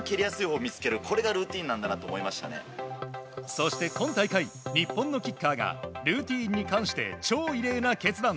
そして今大会日本のキッカーがルーティンに関して超異例な決断。